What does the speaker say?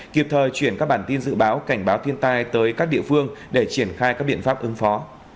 kịp thời chuyển các bản tin dự báo cảnh báo thiên tai tới các địa phương để triển khai các biện pháp ứng phó